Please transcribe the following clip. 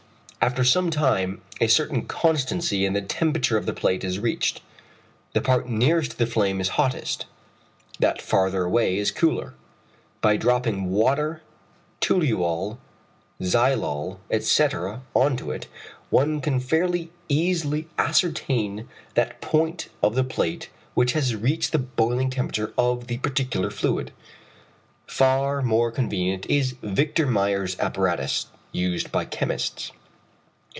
After some time a certain constancy in the temperature of the plate is reached, the part nearest to the flame is hottest, that farther away is cooler. By dropping water, toluol, xylol, etc. on to it, one can fairly easily ascertain that point of the plate which has reached the boiling temperature of the particular fluid. Far more convenient is Victor Meyer's apparatus, used by chemists.